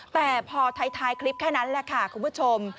แต่พอท้ายคลิปแค่นั้นแหละค่ะคุณผู้ชม